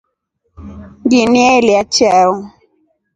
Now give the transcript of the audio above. Nginielya chao.